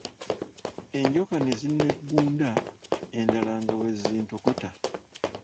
Enjoka ne zinneggunda, endala nga bwe zintokota!